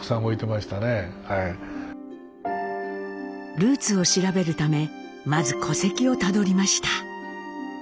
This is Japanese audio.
ルーツを調べるためまず戸籍をたどりました。